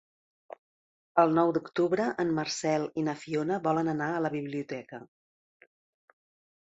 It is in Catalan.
El nou d'octubre en Marcel i na Fiona volen anar a la biblioteca.